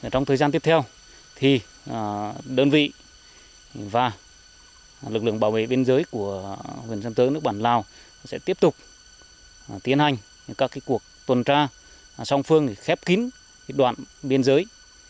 trong thời gian tiếp theo đơn vị và lực lượng bảo vệ biên giới của huyện sơn tước nước bản lào sẽ tiếp tục tiến hành các cuộc tuần tra song phương để khép kín đoạn biên giới